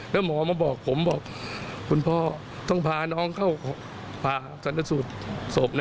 แล้วหมอมาบอกผมบอกคุณพ่อต้องพาน้องเข้าผ่าสันสูตรศพนะ